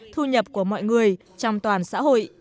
thu nhập của mọi người trong toàn xã hội